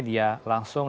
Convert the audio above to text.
di bicara lokasi pertama